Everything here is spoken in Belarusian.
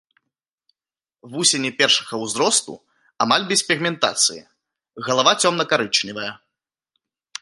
Вусені першага ўзросту амаль без пігментацыі, галава цёмна-карычневая.